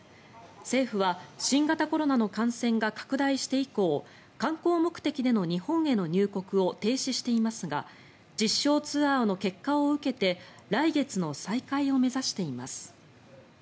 政府は新型コロナの感染が拡大して以降観光目的での日本への入国を停止していますが実証ツアーの結果を受けて来月の再開を目指しています。